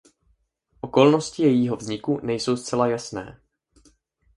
Okolnosti jejího vzniku nejsou zcela jasné.